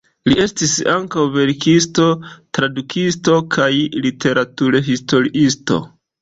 Li estis ankaŭ verkisto, tradukisto kaj literaturhistoriisto.